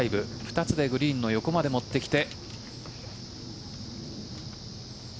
２つでグリーンの横まで持ってきて。